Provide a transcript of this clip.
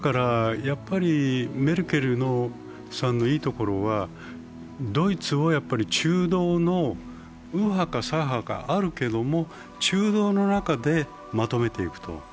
メルケルさんのいいところは、ドイツを中道の右派か左派かあるけれども中道の中でまとめていくと。